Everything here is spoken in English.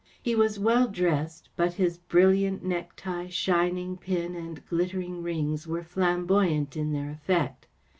He was well dressed, but his brilliant necktie, shining pin, and glittering rings were flam¬ boyant in their effect.